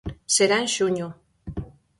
Será en xuño.